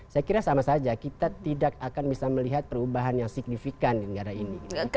saya kira sama saja kita tidak akan bisa melihat perubahan yang signifikan di negara ini